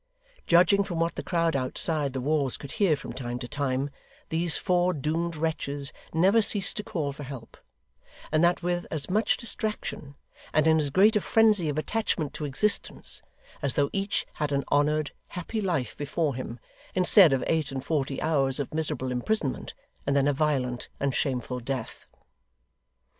Judging from what the crowd outside the walls could hear from time to time, these four doomed wretches never ceased to call for help; and that with as much distraction, and in as great a frenzy of attachment to existence, as though each had an honoured, happy life before him, instead of eight and forty hours of miserable imprisonment, and then a violent and shameful death.